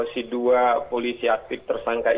si dua polisi aktif tersangka ini